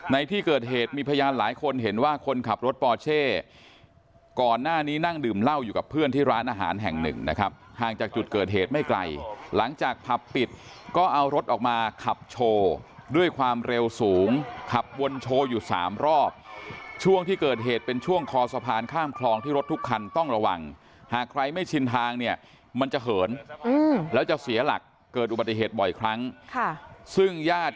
ในที่เกิดเหตุมีพยานหลายคนเห็นว่าคนขับรถปอร์เช่ก่อนหน้านี้นั่งดื่มเหล้าอยู่กับเพื่อนที่ร้านอาหารแห่งหนึ่งนะครับห่างจากจุดเกิดเหตุไม่ไกลหลังจากผับปิดก็เอารถออกมาขับโชว์ด้วยความเร็วสูงขับวนโชว์อยู่สามรอบช่วงที่เกิดเหตุเป็นช่วงคอสะพานข้ามคลองที่รถทุกคันต้องระวังหากใครไม่ชินทางเ